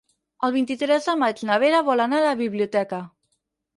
El vint-i-tres de maig na Vera vol anar a la biblioteca.